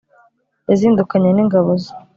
yazindukanye n'ingabo ze